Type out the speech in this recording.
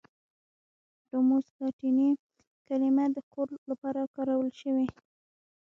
دوموس لاتیني کلمه د کور لپاره کارول شوې.